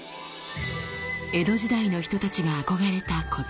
江戸時代の人たちが憧れた虎徹。